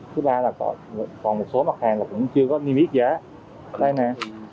thứ ba là còn một số mặt hàng là cũng chưa có niêm ít giá